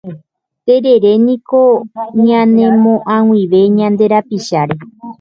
Tereréniko ñanemo'ag̃uive ñande rapicháre.